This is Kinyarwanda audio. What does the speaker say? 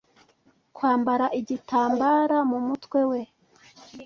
kwambara igitambara mu mutwe we